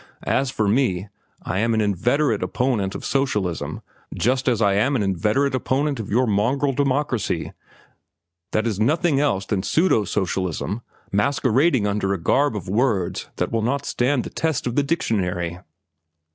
As for me, I am an inveterate opponent of socialism just as I am an inveterate opponent of your own mongrel democracy that is nothing else than pseudo socialism masquerading under a garb of words that will not stand the test of the dictionary."